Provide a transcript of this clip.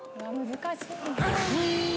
難しいな。